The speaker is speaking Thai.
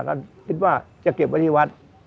ก็คิดว่าจะเก็บไว้ที่วัด